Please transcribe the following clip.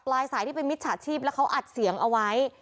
แล้วเขาอัดเสียงเอาไว้